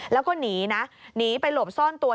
แล้วก็หนีไปหลบซ่อนตัว